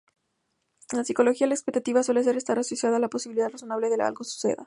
En psicología; la expectativa suele estar asociada la posibilidad razonable de que algo suceda.